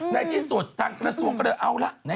ในที่สุดทางกระทรวงก็เลยเอาละ